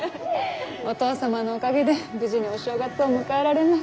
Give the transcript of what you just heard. お義父様のおかげで無事にお正月を迎えられます。